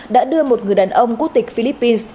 đã đưa một người đàn ông quốc tịch philippines